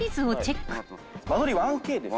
間取り１Ｋです。